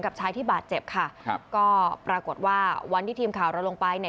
ชายที่บาดเจ็บค่ะครับก็ปรากฏว่าวันที่ทีมข่าวเราลงไปเนี่ย